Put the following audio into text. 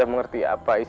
ini pekerjaan jin